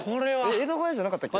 江戸小屋じゃなかったっけ？